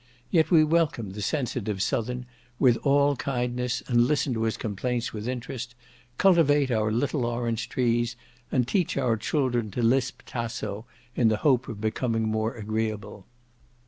Yet we welcome the sensitive southern with all kindness, listen to his complaints with interest, cultivate our little orange trees, and teach our children to lisp Tasso, in the hope of becoming more agreeable.